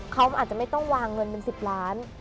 เขาอาจจะไม่ต้องวางเงินเป็น๑๐ล้าน